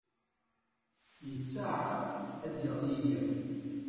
Yettaɛar ad d-yeɣli yiḍ.